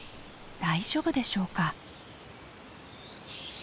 大丈夫でしょうか？